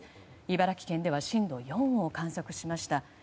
茨城県では震度４を観測しました。